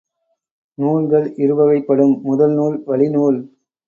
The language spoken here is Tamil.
நூல்கள் இருவகைப்படும்: முதல் நூல், வழிநூல்.